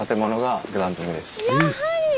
やはり！